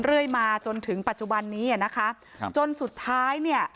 เรื่อยมาจนถึงปัจจุบันนี้อ่ะนะคะครับจนสุดท้ายเนี่ย